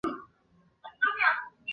先后拥有萨博蒂诺侯爵两个封衔。